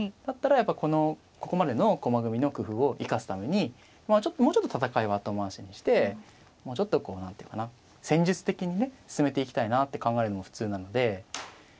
だったらやっぱりここまでの駒組みの工夫を生かすためにもうちょっと戦いは後回しにしてもうちょっと何ていうかな戦術的にね進めていきたいなって考えるのが普通なので。